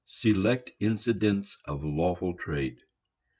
SELECT INCIDENTS OF LAWFUL TRADE.